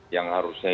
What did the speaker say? yang harusnya itu